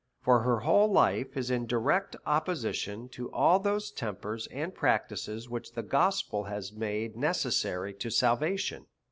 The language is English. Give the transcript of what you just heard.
For her whole life is in di rect opposition to all those tempers and practices which the gospel has made necessary to salvation.